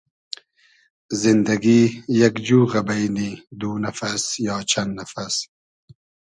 زیندئگی یئگ جوغۂ بݷنی دو نئفئس یا چئن نئفئس